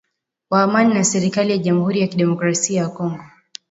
wa amani na serikali ya jamuhuri ya kidemokrasia ya Kongo